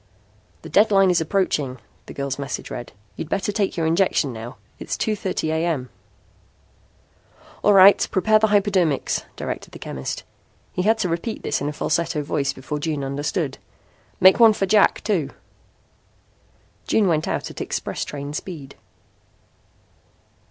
"The deadline is approaching," the girl's message read. "You'd better take your injection now. It is 2:30 A.M." "All right, prepare the hypodermics," directed the chemist. He had to repeat this in a falsetto voice before June understood. "Make one for Jack too." June went out at express train speed.